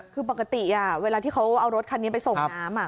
คือปกติเวลาที่เขาเอารถคันนี้ไปส่งน้ำ